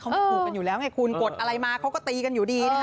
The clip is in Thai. เขาไม่ถูกกันอยู่แล้วไงคุณกดอะไรมาเขาก็ตีกันอยู่ดีนะคะ